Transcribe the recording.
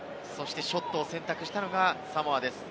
ショットを選択したのはサモアです。